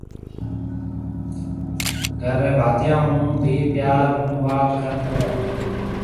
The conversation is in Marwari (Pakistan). گھر ريَ ڀاتيون هون بي پيار هون وات ڪرڻ کپيَ۔